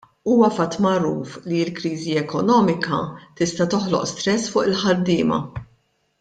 Huwa fatt magħruf li l-kriżi ekonomika tista' toħloq stress fuq il-ħaddiema.